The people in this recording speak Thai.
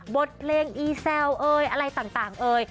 บทเพลงอีแซวเอยอะไรต่างเอ่ย